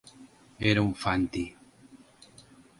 Era un Fanti.